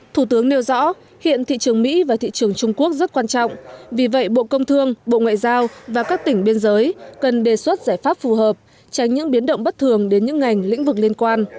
thủ tướng nêu rõ hiện thị trường mỹ và thị trường trung quốc rất quan trọng vì vậy bộ công thương bộ ngoại giao và các tỉnh biên giới cần đề xuất giải pháp phù hợp tránh những biến động bất thường đến những ngành lĩnh vực liên quan